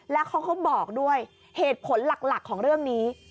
แล้วเขาก็บอกด้วยเหตุผลหลักของเรื่องนี้